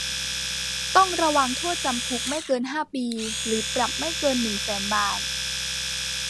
ต้องระวางโทษจำคุกไม่เกินห้าปี หรือปรับไม่เกินหนึ่งแสนบาท